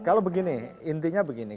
kalau begini intinya begini